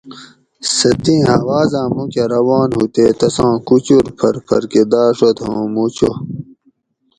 سہ تیں ھاوازاۤں موکہ روان ھو تے تساں کوچور پھر پھر کہ داۤڛت ھوں مو چو